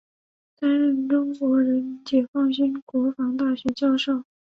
担任中国人民解放军国防大学教授。